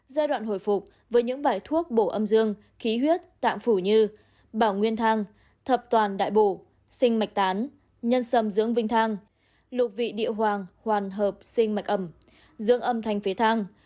giai đoạn hồi phục với những bài thuốc bổ âm dương khí huyết tạm phủ như bảo nguyên thang thập toàn đại bồ sinh mạch tán nhân sầm dưỡng vinh thang lục vị địa hoàng hoàn hợp sinh mạch ẩm dương âm thanh phế thang